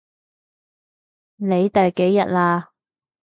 你第幾日喇？